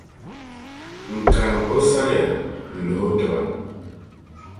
n karim’ o saria n-luh’ o ti ba.